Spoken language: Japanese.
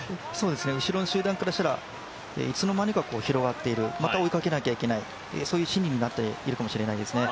後ろの集団からしたらいつの間にか広がっている、また追いかけなきゃいけない、そんな心理になっているかもしれないですね。